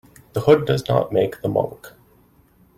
The hood does not make the monk.